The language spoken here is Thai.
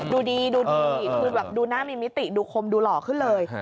ดูดีดูดีคือแบบดูหน้ามีมิติดูคมดูหล่อขึ้นเลย